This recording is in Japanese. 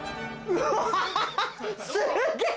うわ！